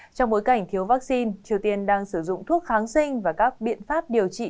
trong bối cảnh thiếu vaccine triều tiên đang sử dụng thuốc kháng sinh và các biện pháp điều trị